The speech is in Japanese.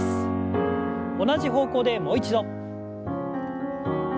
同じ方向でもう一度。